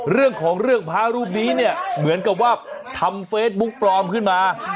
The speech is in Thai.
เรื่องของเรื่องพระรูปนี้เนี่ยเหมือนกับว่าทำเฟซบุ๊กปลอมขึ้นมา